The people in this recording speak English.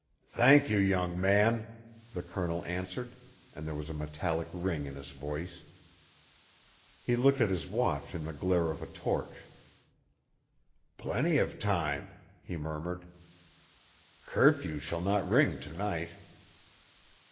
"Thank you, young man," the Colonel answered, and there was a metallic ring in his voice. He looked at his watch in the glare of a torch. "Plenty of time," he murmured. "Curfew shall not ring to night."